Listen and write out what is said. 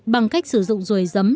bằng cách sử dụng ruồi giấm